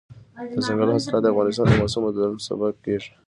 دځنګل حاصلات د افغانستان د موسم د بدلون سبب کېږي.